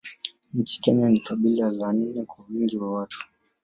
Nchini Kenya ni kabila la nne kwa wingi wa watu